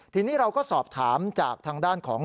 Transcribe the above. ทีนี้เราก็สอบถามจากทางด้านของ